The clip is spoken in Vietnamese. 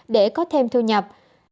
để có thêm thu nhập